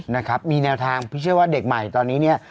นะครับมีแนวทางพี่เชื่อว่าเด็กใหม่ตอนนี้เนี่ย